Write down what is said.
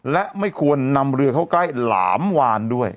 และไม่ควรนำเรือเข้าใกล้หลามวานด้วย